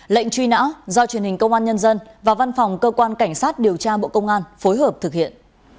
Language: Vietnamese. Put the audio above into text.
lệnh truy nã do truyền hình công an nhân dân và văn phòng cơ quan cảnh sát điều tra bộ công an phối hợp thực hiện